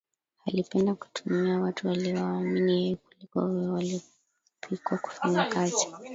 Alipenda kutumia watu aliowaamini yeye kuliko wale waliopikwa kufanya kazi